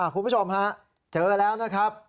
คุณผู้ชมฮะเจอแล้วนะครับ